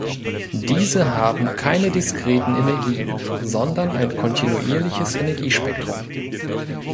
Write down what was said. Diese haben keine diskreten Energien, sondern ein kontinuierliches Energiespektrum.